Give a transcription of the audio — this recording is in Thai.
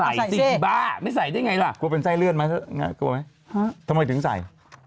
ใส่สิบ้าไม่ใส่ได้ไงล่ะเกลือเป็นไส้เลื่อนมั้ยเกลือไหมทำไมถึงใส่